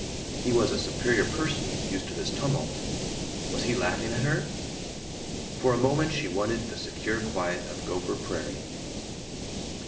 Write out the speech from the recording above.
He was a superior person, used to this tumult. Was he laughing at her? For a moment she wanted the secure quiet of Gopher Prairie.